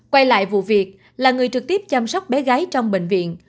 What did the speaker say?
quay lại vụ việc là người trực tiếp chăm sóc bé gái trong bệnh viện